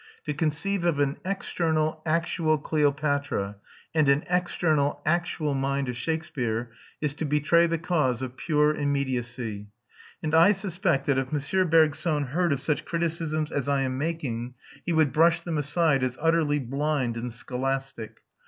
To conceive of an external actual Cleopatra and an external actual mind of Shakespeare is to betray the cause of pure immediacy; and I suspect that if M. Bergson heard of such criticisms as I am making, he would brush them aside as utterly blind and scholastic.